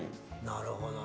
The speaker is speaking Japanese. なるほどね。